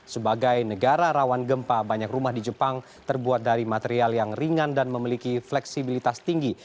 sebagai negara rawan gempa banyak rumah di jepang terbuat dari material yang ringan dan memiliki fleksibilitas tinggi